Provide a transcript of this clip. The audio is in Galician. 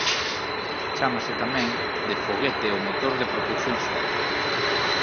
Chámase tamén de "foguete" o motor de propulsión só.